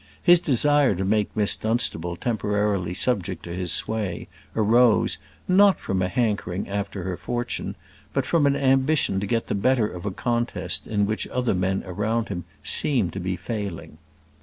His desire to make Miss Dunstable temporarily subject to his sway arose, not from a hankering after her fortune, but from an ambition to get the better of a contest in which other men around him seemed to be failing.